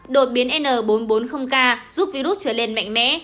đột biến n bốn trăm bốn mươi k giúp virus trở lên mạnh mẽ